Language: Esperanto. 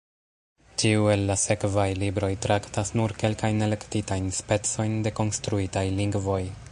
Ĉiu el la sekvaj libroj traktas nur kelkajn elektitajn specojn de konstruitaj lingvoj.